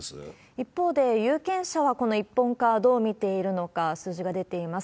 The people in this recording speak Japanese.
一方で、有権者は、この一本化、どう見ているのか、数字が出ています。